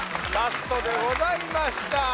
ラストでございました